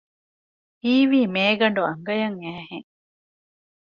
ހީވީ މޭގަނޑު އަނގަޔަށް އައިހެން